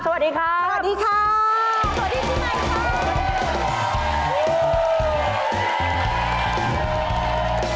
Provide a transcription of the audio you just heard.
สวัสดีครับสวัสดีค่ะสาวดีที่ไหนนะครับสวัสดีครับ